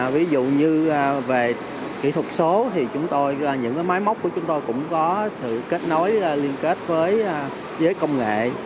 ví dụ như về kỹ thuật số thì những máy móc của chúng tôi cũng có sự kết nối liên kết với công nghệ